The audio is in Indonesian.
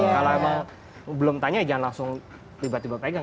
kalau emang belum tanya jangan langsung tiba tiba pegang